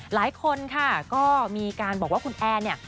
หลายคนค่ะก็มีการบอกว่าคุณแอร์เนี่ย